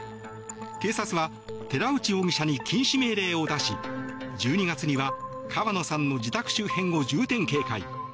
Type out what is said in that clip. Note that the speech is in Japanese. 警察は寺内容疑者に禁止命令を出し１２月には川野さんの自宅周辺を重点警戒。